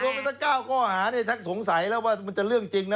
โดนไปสัก๙ข้อหาช้างสงสัยแล้วว่ามันจะเรื่องจริงนะ